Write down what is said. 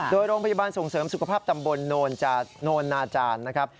โดยโรงพยาบาลส่งเสริมสุขภาพตำบลโนนาจารย์นะครับ